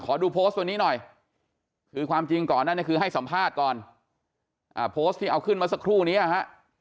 ดูโพสต์วันนี้หน่อยคือความจริงก่อนนั้นเนี่ยคือให้สัมภาษณ์ก่อนโพสต์ที่เอาขึ้นมาสักครู่นี้ฮะ